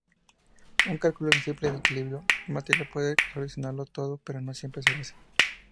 Un cálculo simple de equilibrio material puede solucionarlo todo, pero no siempre será así.